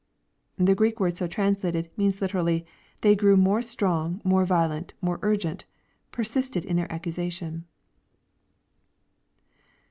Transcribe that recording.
] The Greek word so translated, means literally, " they grew more strong, more violent, more urgent, — persisted in their accusation."